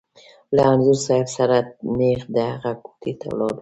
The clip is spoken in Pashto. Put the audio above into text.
له انځور صاحب سره نېغ د هغه کوټې ته لاړو.